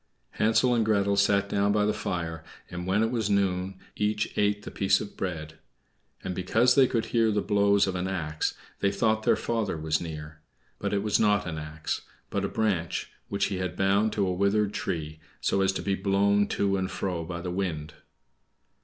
Hansel and Gretel sat down by the fire, and when it was noon each ate the piece of bread; and because they could hear the blows of an axe, they thought their father was near; but it was not an axe, but a branch which he had bound to a withered tree, so as to be blown to and fro by the wind.